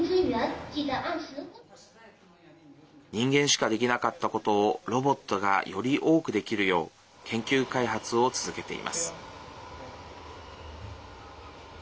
人間しかできなかったことをロボットが、より多くできるよう研究開発を続けています。